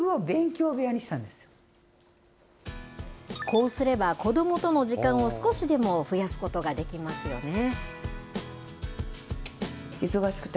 こうすれば、子どもとの時間を、少しでも増やすことができますよね。